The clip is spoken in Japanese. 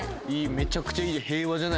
めちゃくちゃいい。